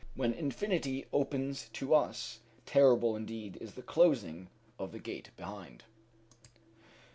When infinity opens to us, terrible indeed is the closing of the gate behind.